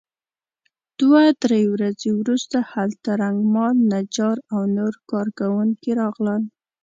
دوه درې ورځې وروسته هلته رنګمال نجار او نور کار کوونکي راغلل.